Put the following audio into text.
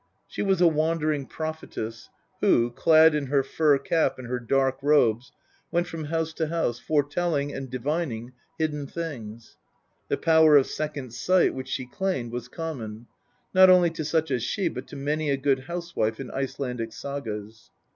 * She was a wandering prophetess, who, clad in her fur cap and her dark robes, went from house to house, foretelling and divining hidden things. The power of second sight which she claimed was common, not only to such as she, but to many a good housewife in Icelandic sagas.